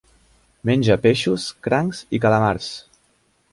Menja peixos, crancs i calamars.